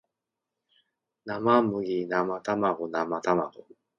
生麦生卵生卵